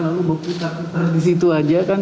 lalu bogor ke atas disitu aja kan